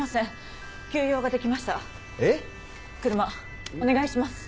車お願いします。